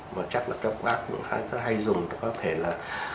và chắc là các bác cũng hay dùng có thể là